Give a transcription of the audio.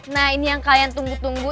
nah ini yang kalian tunggu tunggu